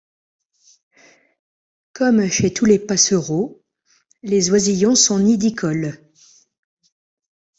Comme chez tous les passereaux, les oisillons sont nidicoles.